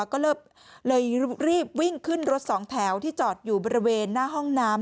ก็เลยรีบวิ่งขึ้นรถสองแถวที่จอดอยู่บริเวณหน้าห้องน้ำ